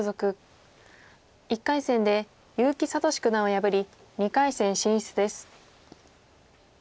１回戦で結城聡九段を破り２回戦進出です。